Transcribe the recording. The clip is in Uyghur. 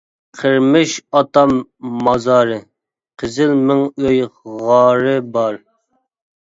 قىرمىش ئاتام مازارى، قىزىل مىڭ ئۆي غارى بار.